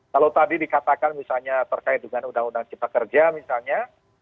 kalau tadi dikatakan misalnya terkait dengan undang undang cipta kerja misalnya